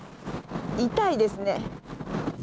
痛いですね。